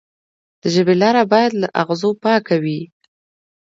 د ژبې لاره باید له اغزو پاکه وي.